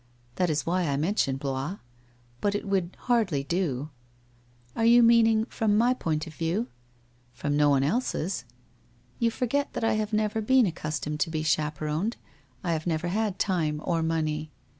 That is why I mentioned Blois. But it would hardly do.' ' Are you meaning from my point of view ?'* From no one else's.' ' You forget that I have never been accustomed to be chaperoned, I have never had time or money.